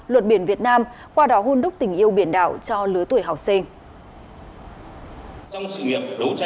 luật biển việt nam qua đó hôn đúc tình yêu biển đảo cho lứa tuổi học sinh